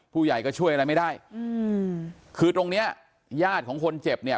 ผู้ใหญ่ก็ช่วยอะไรไม่ได้อืมคือตรงเนี้ยญาติของคนเจ็บเนี่ย